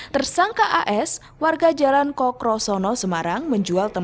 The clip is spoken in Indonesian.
tersangka as warga jalan kokrosono semarang menjual